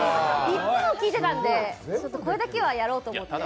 いつも聞いてたんで、これだけはやろうと思って。